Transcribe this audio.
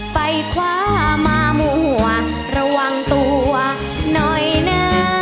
ไปคว้ามามั่วระวังตัวหน่อยนะ